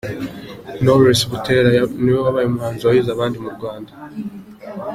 Knowless Butera ni we wabaye umuhanzi wahize abandi mu Rwanda.